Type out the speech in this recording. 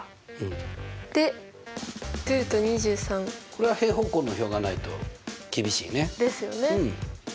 これは平方根の表がないと厳しいね。ですよね。